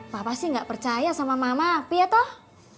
papa sih gak percaya sama mama pia toh